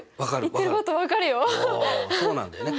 おおそうなんだよね。